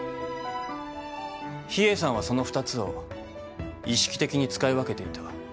秘影さんはその２つを意識的に使い分けていた。